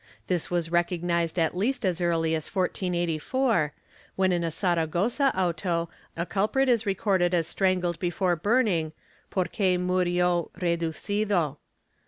This was recognized at least as early as 1484, when in a Saragossa auto a culprit is recorded as strangled before burning "porque murio reducido."